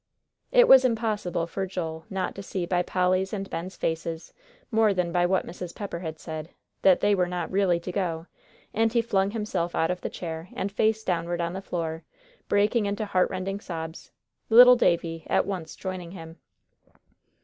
It was impossible for Joel not to see by Polly's and Ben's faces, more than by what Mrs. Pepper had said, that they were not really to go, and he flung himself out of the chair and face downward on the floor, breaking into heartrending sobs, little Davie at once joining him.